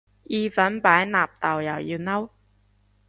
意粉擺納豆又要嬲